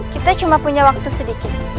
kita cuma punya waktu sedikit